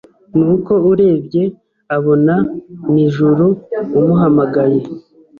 ni uko arebye abona ni Juru umuhamagaye.